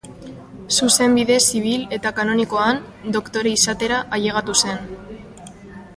Zuzenbide zibil eta kanonikoan doktore izatera ailegatu zen.